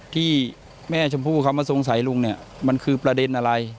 ที่แม่ชมพู่เขามาสงสัยลุงเนี่ยมันคือประเด็นอะไร